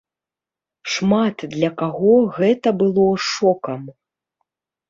Шмат для каго гэта было шокам.